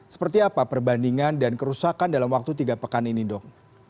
seperti apa perbandingan dan kerusakan dalam waktu tiga pekan ini dok